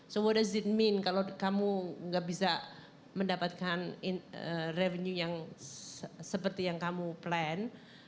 so what is ⁇ it mean kalau kamu gak bisa mendapatkan revenue yang seperti yang kamu plan